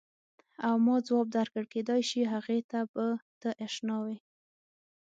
او ما ځواب درکړ کېدای شي هغې ته به ته اشنا وې.